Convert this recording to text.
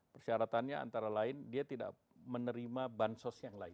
persyaratannya antara lain dia tidak menerima bansos yang lain